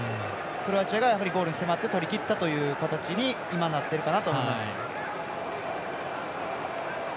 クロアチアがゴールに迫って取りきったという形に今、なってるかなと思います。